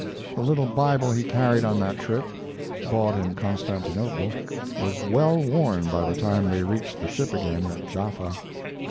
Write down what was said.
The little Bible he carried on that trip, bought in Constantinople, was well worn by the time they reached the ship again at Jaffa.